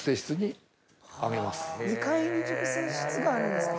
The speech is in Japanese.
２階に熟成室があるんですか？